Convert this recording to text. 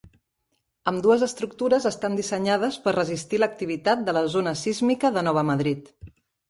Ambdues estructures estan dissenyades per resistir l'activitat de la zona sísmica de Nova Madrid.